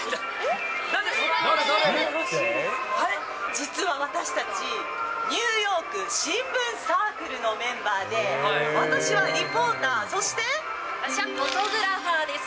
実は私たち、ニューヨーク新聞サークルのメンバーで、私はリ私はフォトグラファーです。